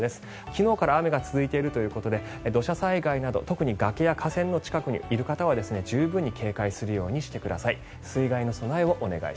昨日から雨が続いているということで土砂災害など特に崖や河川の近くにいる方は十分に警戒するようにしてください。